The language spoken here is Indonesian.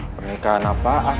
pernikahan apaan sih